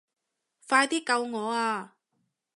快啲救我啊